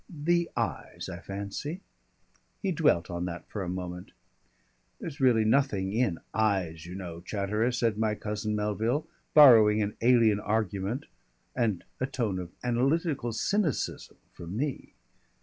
The eyes, I fancy." He dwelt on that for a moment. "There's really nothing in eyes, you know, Chatteris," said my cousin Melville, borrowing an alien argument and a tone of analytical cynicism from me.